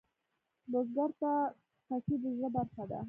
بزګر ته پټی د زړۀ برخه ده